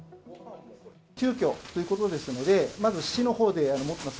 急きょということですので、まず市のほうで持っています